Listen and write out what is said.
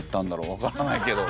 分からないけど。